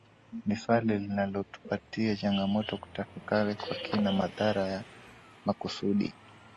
Ni swali linalotupatia changamoto kutafakari kwa kina madhara ya makusudi